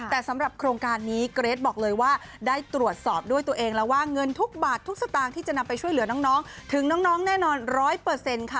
แต่สำหรับโครงการนี้เกรทบอกเลยว่าได้ตรวจสอบด้วยตัวเองแล้วว่าเงินทุกบาททุกสตางค์ที่จะนำไปช่วยเหลือน้องถึงน้องแน่นอนร้อยเปอร์เซ็นต์ค่ะ